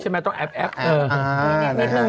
ใช่ไหมต้องแอ๊บนิดหนึ่ง